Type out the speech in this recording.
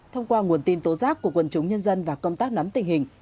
thông qua nguồn tin tố giác của quần chúng nhân dân và công tác nắm tình hình